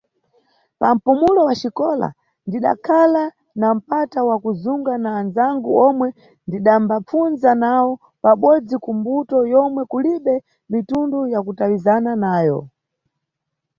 Pa mpumulo wa xikola ndidakhala na mpata wa kuzunga na anzangu omwe ndidambapfunza nawo pabodzi ku mbuto yomwe kulibe mitundu ya kutawizana nayo.